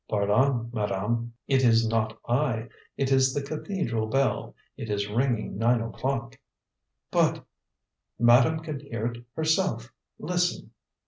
"Pardon, madame; it is not I. It is the cathedral bell; it is ringing nine o'clock." "But " "Madame can hear it herself. Listen!"